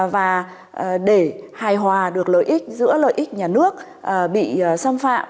và để hài hòa được lợi ích giữa lợi ích nhà nước bị xâm phạm